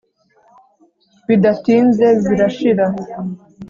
bidatinze zirashira,